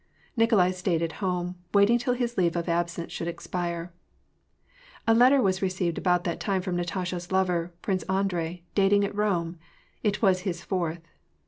Nikolai staid at home, waiting till his leave of absenee should expire. • A letter was received about this time from Natasha's lover, Prince Andrei, dated at Rome : it was his fourth.